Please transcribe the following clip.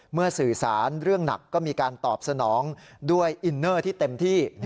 สื่อสารเรื่องหนักก็มีการตอบสนองด้วยอินเนอร์ที่เต็มที่